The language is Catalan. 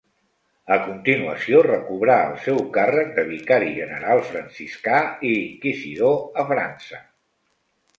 A continuació, recobrà el seu càrrec de vicari general franciscà i inquisidor a França.